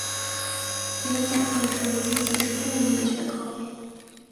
皮纹检测是近期时兴的一门学科。